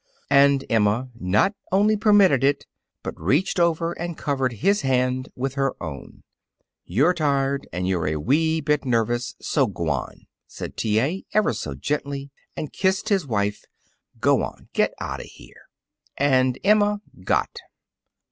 And Emma not only permitted it but reached over and covered his hand with her own. "You're tired, and you're a wee bit nervous; so g'wan," said T. A., ever so gently, and kissed his wife, "g'wan; get out of here!" And Emma got.